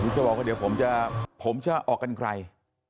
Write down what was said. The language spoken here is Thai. จะบอกว่าเดี๋ยวผมจะออกกันไกล